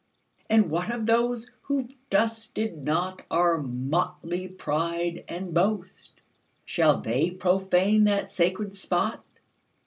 And what of those who 've dusted notOur motley pride and boast,—Shall they profane that sacred spot?"